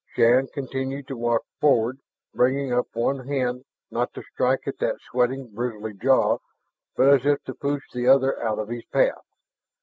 Shann continued to walk forward, bringing up one hand, not to strike at that sweating, bristly jaw, but as if to push the other out of his path.